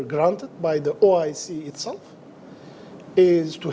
yang kami diberikan oleh oic itu sendiri